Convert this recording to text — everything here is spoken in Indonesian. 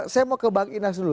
saya mau ke bang inas dulu